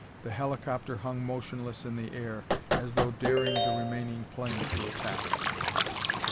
The helicopter hung motionless in the air as though daring the remaining plane to attack.